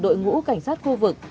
đội ngũ cảnh sát khu vực